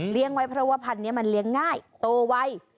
เลี้ยงไว้เพราะว่าพันเนี่ยมันเลี้ยงง่ายโตไว้